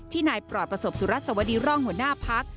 นายปลอดประสบสุรัสสวดีร่องหัวหน้าพัก